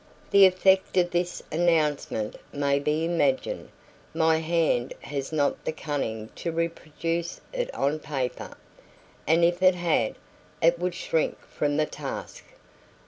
The effect of this announcement may be imagined; my hand has not the cunning to reproduce it on paper; and if it had, it would shrink from the task.